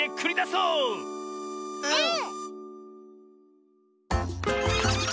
うん！